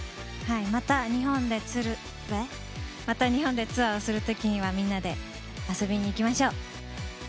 また日本でツアーをするときにはみんなで遊びに行きましょう。